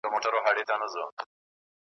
چي اسمان ته پورته کېږي له غروره .